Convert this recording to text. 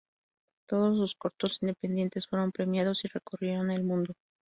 Todos sus cortos independientes fueron premiados y recorrieron el mundo.